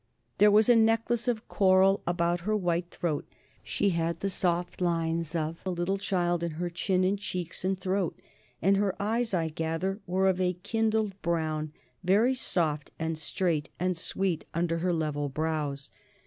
There was a necklace of coral about her white throat, and in her breast a coral coloured flower. She had the soft lines of a little child in her chin and cheeks and throat. And her eyes, I gather, were of a kindled brown, very soft and straight and sweet under her level brows.